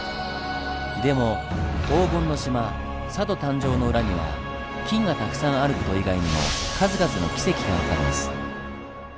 でも「黄金の島」佐渡誕生の裏には金がたくさんある事以外にも数々のキセキがあったんです。